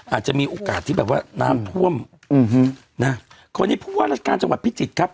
อาจจะมีโอกาสที่แบบว่าน้ำท่วมอืมนะคนนี้ผู้ว่าราชการจังหวัดพิจิตรครับ